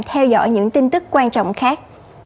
theo dõi những tin tức quan trọng khác